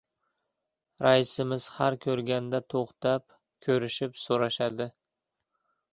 Raisimiz har ko‘rganda to‘xtab, ko‘rishib-so‘rashadi.